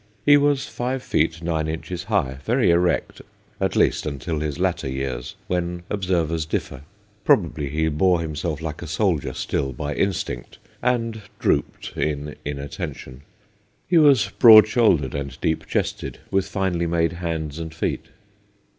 He was five feet nine inches HIS DRESS 161 high, very erect, at least until his latter years, when observers differ : probably he bore himself like a soldier still by instinct, and drooped in inattention. He was broad shouldered and deep chested, with finely made hands and feet.